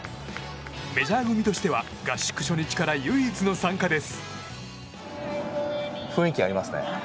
メジャー組としては合宿初日から唯一の参加です。